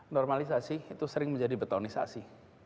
normalisasi itu sering menjadi betonisasi